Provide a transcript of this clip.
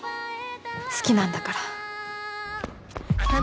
好きなんだから